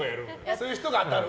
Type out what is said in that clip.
そういう人が当たる？